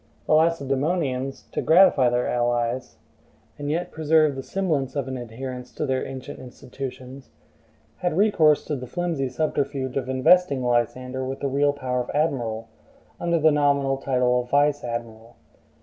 The Lacedaemonians, to gratify their allies, and yet preserve the semblance of an adherence to their ancient institutions, had recourse to the flimsy subterfuge of investing Lysander with the real power of admiral, under the nominal title of vice admiral.